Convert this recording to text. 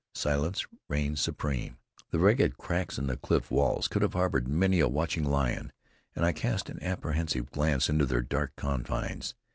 Silence reigned supreme. The ragged cracks in the cliff walls could have harbored many a watching lion, and I cast an apprehensive glance into their dark confines.